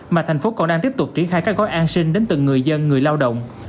mà thành phố còn đang tiếp tục triển khai các gói an sinh đến từng người dân người lao động